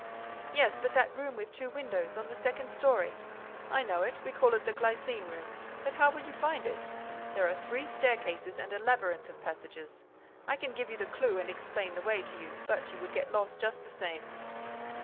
"Yes, but that room with two windows, on the second story—" "I know it, we call it the glycine room. But how will you find it? There are three staircases and a labyrinth of passages. I can give you the clue and explain the way to you, but you would get lost just the same."